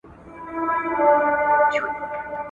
د اګسټ د میاشتي پر دیارلسمه ..